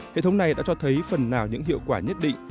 hệ thống này đã cho thấy phần nào những hiệu quả nhất định